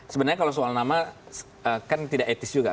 sebenarnya kalau soal nama kan tidak etis juga